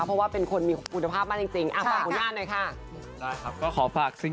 เพราะน้องเหล่ามากมายต้องกลับไป